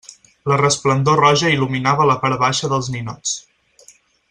La resplendor roja il·luminava la part baixa dels ninots.